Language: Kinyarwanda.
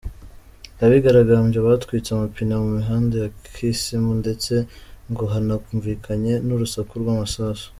Abigaragambya batwitse amapine mu mihanda ya Kisumu ndetse ngo hanumvikanye n’urusaku rw’amasasu.